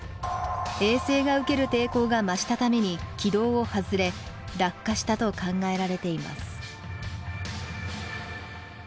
衛星が受ける抵抗が増したために軌道を外れ落下したと考えられています。